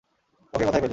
ওকে কোথায় পেলি?